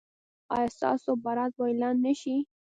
ایا ستاسو برات به اعلان نه شي؟